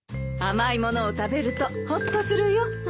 甘いものを食べるとほっとするよ。